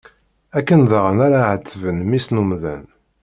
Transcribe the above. Akken daɣen ara ɛetben mmi-s n umdan.